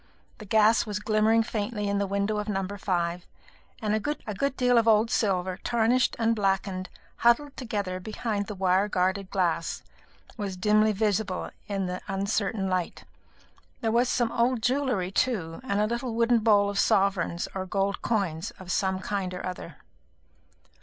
The gas was glimmering faintly in the window of No. 5, and a good deal of old silver, tarnished and blackened, huddled together behind the wire guarded glass, was dimly visible in the uncertain light. There was some old jewellery too, and a little wooden bowl of sovereigns or gold coins of some kind or other.